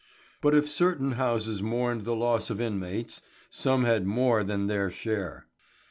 But if certain houses mourned the loss of inmates, some had more than their share.